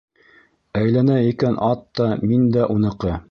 Әйләнә икән ат та, мин дә уныҡы!